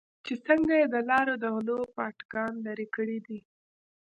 چې څنگه يې د لارو د غلو پاټکان لرې کړې دي.